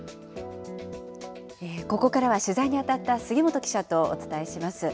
ここからは取材にあたった杉本記者とお伝えします。